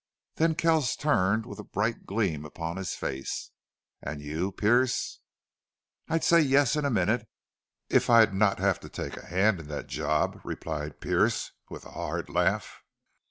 Then Kells turned with a bright gleam upon his face. "And you Pearce?" "I'd say yes in a minute if I'd not have to take a hand in thet job," replied Pearce, with a hard laugh.